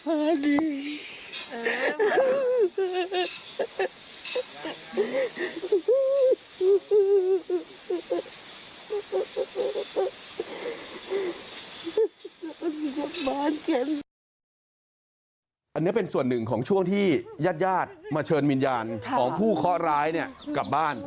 อันนี้เป็นส่วนหนึ่งของช่วงที่ญาติญาติมาเชิญวิญญาณของผู้เคาะร้ายเนี่ยกลับบ้าน